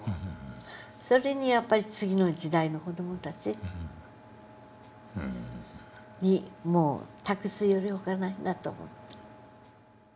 それにやっぱり次の時代の子どもたちにもう託すよりほかないなと思って。